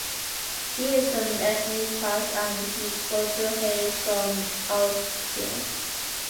He is an ethnic Pashtun and his father hails from Afghanistan.